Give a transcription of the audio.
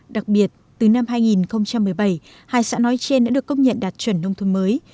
đặc biệt từ năm hai nghìn một mươi bảy hai xã nói trên đã được công nhận đạt chuẩn nông thôn mới